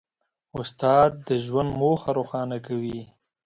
استاد د ژوند موخه روښانه کوي.